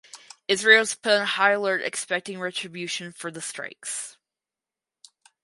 Israel was put on high alert expecting retribution for the strikes.